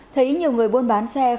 thấy nhiều người buôn bán xe khóa